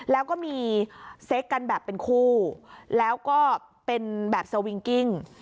แล้วก็มีเซ็กกันแบบเป็นคู่แล้วก็เป็นแบบสวิงกิ้ง